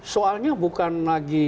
soalnya bukan lagi